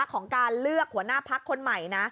ของการเลือกหัวหน้าพักคนใหม่นะ